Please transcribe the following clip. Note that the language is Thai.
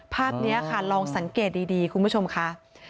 ภาพนี้ค่ะลองสังเกตดีคุณผู้ชมค่ะ